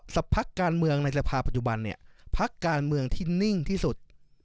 พักการเมืองในสภาปัจจุบันเนี่ยพักการเมืองที่นิ่งที่สุด